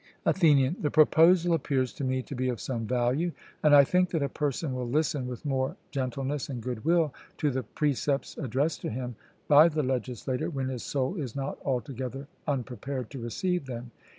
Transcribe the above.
ATHENIAN: The proposal appears to me to be of some value; and I think that a person will listen with more gentleness and good will to the precepts addressed to him by the legislator, when his soul is not altogether unprepared to receive them.